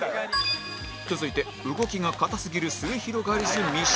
続いて動きが硬すぎるすゑひろがりず三島